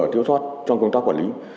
tiếu thoát trong công tác quản lý